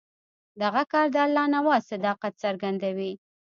دغه کار د الله نواز صداقت څرګندوي.